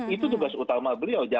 itu tugas utama beliau